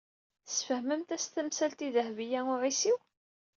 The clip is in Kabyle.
Tesfehmemt-as tamsalt i Dehbiya u Ɛisiw.